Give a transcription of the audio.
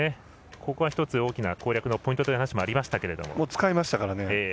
ここは一つ大きな攻略のポイントという声もありましたけども。